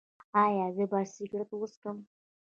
ایا زه باید سګرټ وڅکوم؟